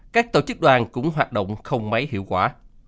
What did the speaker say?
các tổ chức đoàn cũng hoạt động không mấy hiệu quả